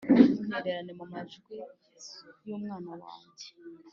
ntuntererane mu manjwe y’umunwa wanjye